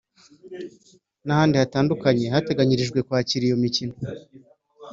n’ahandi hatandukanye hateganyirijwe kwakira iyo mikino